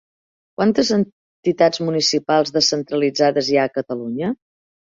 Quantes entitats municipals descentralitzades hi ha a Catalunya?